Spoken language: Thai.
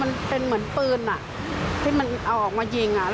ไม่รู้มันเป็นเหมือนปืนอะที่มันเอาออกมายิงอะ